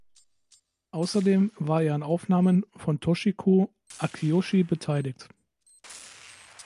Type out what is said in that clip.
Außerdem war er an Aufnahmen von Toshiko Akiyoshi beteiligt.